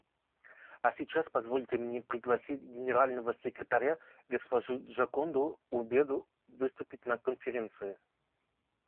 А сейчас позвольте мне пригласить Генерального секретаря госпожу Джоконду Убеду выступить на Конференции.